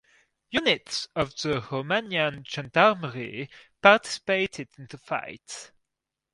Units of the Romanian Gendarmerie participated in the fight.